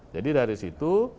jadi dari situ